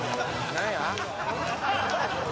何や？